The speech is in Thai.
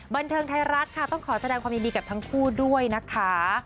บันเทิงไทยรัฐค่ะต้องขอแสดงความยินดีกับทั้งคู่ด้วยนะคะ